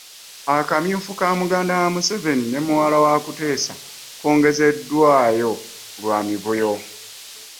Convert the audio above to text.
Akamyufu ka muganda wa Museveni ne muwala wa Kuteesa kongezeddwayo lwa mivuyo